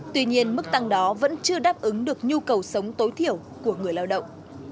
tuy nhiên mức tăng đó vẫn chưa đáp ứng được nhu cầu sống tối thiểu của người lao động